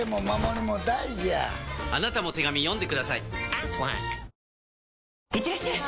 ハローいってらっしゃい！